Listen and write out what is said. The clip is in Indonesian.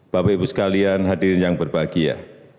bapak ibu sekalian hadirin yang berbahagia